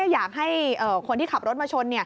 อยากให้คนที่ขับรถมาชน